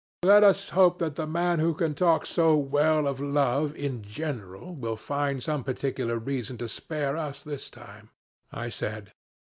'Let us hope that the man who can talk so well of love in general will find some particular reason to spare us this time,' I said.